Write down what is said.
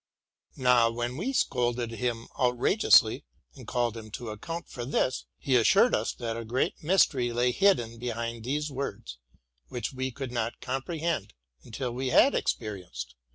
Now, when we scolded him outrageously, and called him to account for this, he assured us that a great mystery lay hidden behind these words, which we could not comprehend until we had expe rienced